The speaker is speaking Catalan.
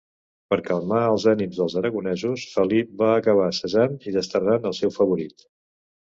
Per calmar els ànims dels aragonesos, Felip va acabar cessant i desterrant el seu favorit.